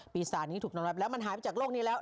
พีซาร์ตนี้ถูกนำรับแล้วหายไปจากโลกนี้แล้ว